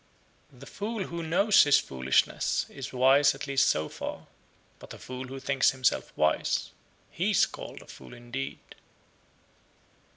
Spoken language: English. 63. The fool who knows his foolishness, is wise at least so far. But a fool who thinks himself wise, he is called a fool indeed.